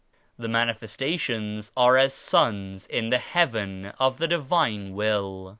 The Manifestations are as suns in the Heaven of the Divine Will.